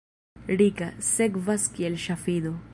Rika, sekvas kiel ŝafido.